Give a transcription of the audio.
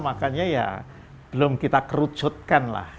makanya ya belum kita kerucutkanlah